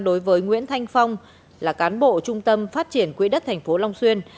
đối với nguyễn thanh phong là cán bộ trung tâm phát triển quỹ đất tp long xuyên